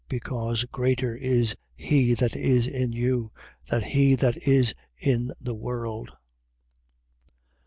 Because greater is he that is in you, than he that is in the world.